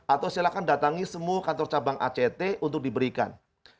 atau silakan datangi semua kantor cabang act untuk diberikan